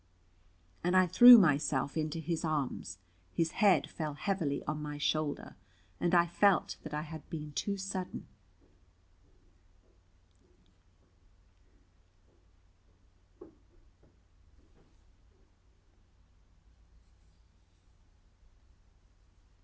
And I threw myself into his arms: his head fell heavily on my shoulder, and I felt that I had been too sudden.